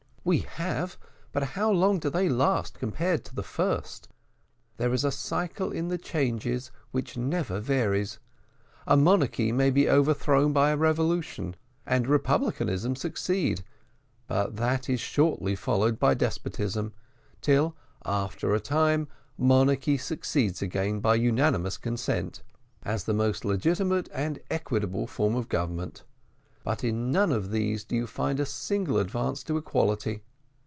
"We have, but how long do they last, compared to the first? There is a cycle in the changes which never varies. A monarchy may be overthrown by a revolution, and republicanism succeed, but that is shortly followed by despotism, till, after a time, monarchy succeeds again by unanimous consent, as the most legitimate and equitable form of government; but in none of these do you find a single advance to equality.